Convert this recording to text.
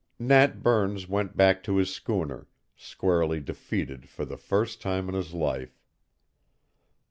Nat Burns went back to his schooner, squarely defeated for the first time in his life.